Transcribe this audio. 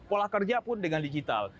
pola kerja pun dengan digital